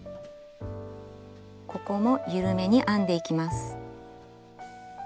ここも緩めに編んでいきます。